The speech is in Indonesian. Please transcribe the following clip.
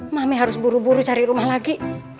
mami harus buru buru cari rumah lagi